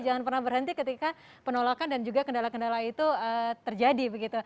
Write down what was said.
jangan pernah berhenti ketika penolakan dan kendala kendala terjadi